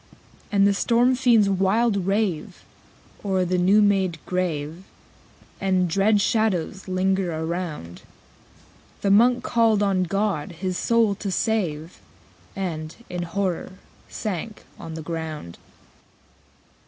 _70 13. And the storm fiends wild rave O'er the new made grave, And dread shadows linger around. The Monk called on God his soul to save, And, in horror, sank on the ground.